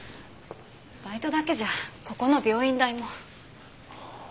バイトだけじゃここの病院代も。